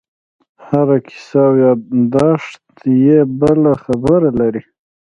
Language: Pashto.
هره کیسه او یادښت یې بله خبره لري.